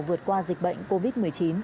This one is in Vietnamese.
vượt qua dịch bệnh covid một mươi chín